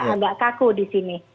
agak kaku di sini